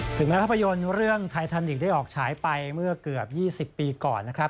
ถึงแม้ภาพยนตร์เรื่องไททันลีกได้ออกฉายไปเมื่อเกือบ๒๐ปีก่อนนะครับ